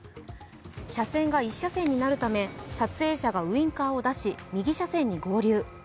車線が１車線になるため、撮影者がウインカーを出し右車線に合流。